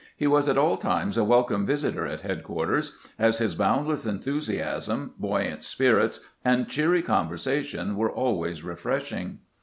He was at all times a welcome visitor at headquarters, as his boundless enthusiasm, buoyant spirits, and cheery con versation were always refreshing.